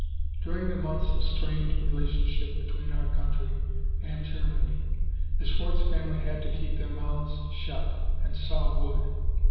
"During the months of strained relationship between our country and Germany, the Schwarz family had to keep their mouths shut and saw wood.